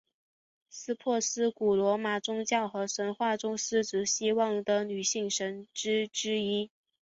司珀斯古罗马宗教和神话中职司希望的女性神只之一。